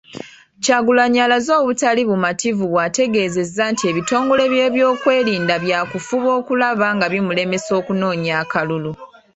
Kyagulanyi alaze obutali bumativu bw'ategeezzza nti ebitongole by'ebyokwerinda byakufuba okulaba nga bimulemesa okunoonya akalulu.